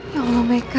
ya allah meka